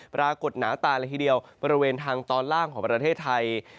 หนาตาเลยทีเดียวบริเวณทางตอนล่างของประเทศไทย